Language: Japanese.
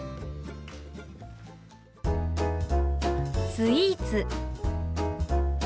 「スイーツ」。